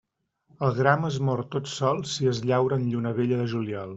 El gram es mor tot sol si es llaura en lluna vella de juliol.